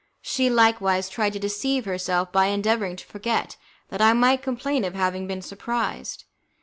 She likewise tried to deceive herself by endeavouring to forget that I might complain of having been surprised.